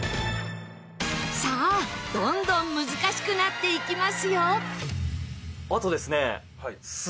さあどんどん難しくなっていきますよ。